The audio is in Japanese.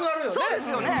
そうですよね。